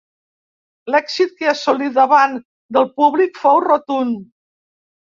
L'èxit que assolí davant del públic fou rotund.